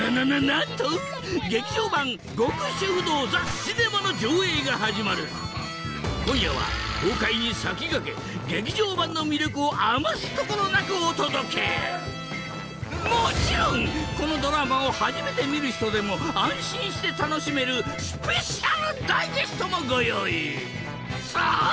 なんと劇場版『極主夫道ザ・シネマ』の上映が始まる今夜は公開に先駆け劇場版の魅力を余すところなくお届けもちろんこのドラマを初めて見る人でも安心して楽しめるスペシャルダイジェストもご用意さぁ